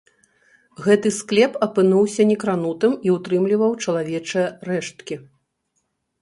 Гэты склеп апынуўся некранутым і ўтрымліваў чалавечыя рэшткі.